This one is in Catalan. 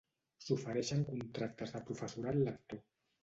S'ofereixen contractes de professorat lector.